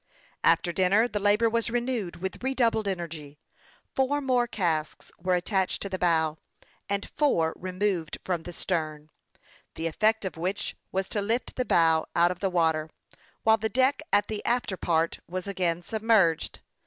After dinner the labor was renewed with redoubled energy. Four more casks were attached to the bow, and four removed from the stern ; the effect of which was to lift the bow out of water, while the deck at the after part was again submerged.